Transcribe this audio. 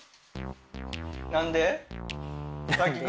何で？